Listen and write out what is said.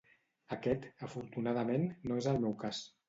Aquest, afortunadament, no és el meu cas.